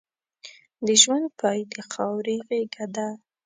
د ژوند پای د خاورې غېږه ده.